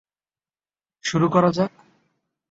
শুরু করা যাক।